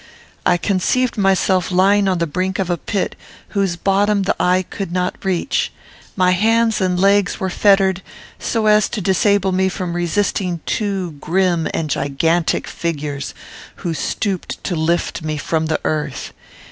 I conceived myself lying on the brink of a pit, whose bottom the eye could not reach. My hands and legs were fettered, so as to disable me from resisting two grim and gigantic figures who stooped to lift me from the earth.